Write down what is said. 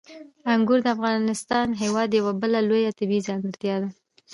انګور د افغانستان هېواد یوه بله لویه طبیعي ځانګړتیا ده.